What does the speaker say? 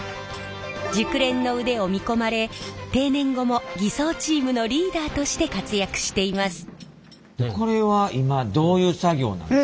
熟練の腕を見込まれ定年後も艤装チームのリーダーとして活躍しています。